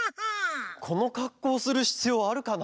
このかっこうするひつようあるかな？